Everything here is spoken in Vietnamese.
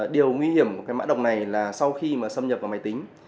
điều nguy hiểm của mã độc này là sau khi xâm nhập vào máy tính